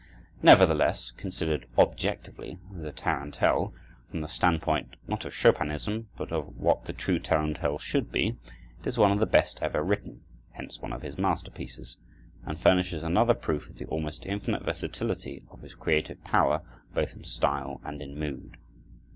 Nevertheless, considered objectively as a tarantelle, from the standpoint, not of Chopinism, but of what the true tarantelle should be, it is one of the best ever written,—hence one of his masterpieces,—and furnishes another proof of the almost infinite versatility of his creative power, both in style and in mood.